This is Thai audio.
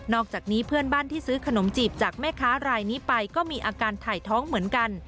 อกจากนี้เพื่อนบ้านที่ซื้อขนมจีบจากแม่ค้ารายนี้ไปก็มีอาการถ่ายท้องเหมือนกัน